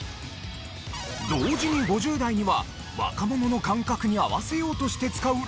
同時に５０代には若者の感覚に合わせようとして使うＬＩＮＥ